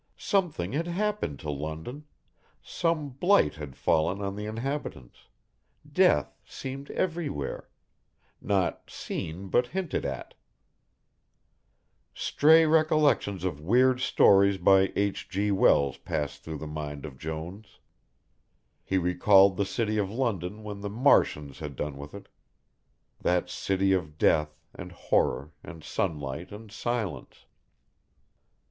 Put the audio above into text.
Something had happened to London, some blight had fallen on the inhabitants, death seemed everywhere, not seen but hinted at. Stray recollections of weird stories by H. G. Wells passed through the mind of Jones. He recalled the city of London when the Martians had done with it, that city of death, and horror, and sunlight and silence.